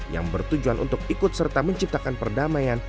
yang bertujuan untuk ikut serta menciptakan perdamaian